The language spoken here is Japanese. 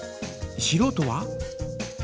しろうとは？